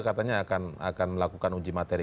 katanya akan melakukan uji materi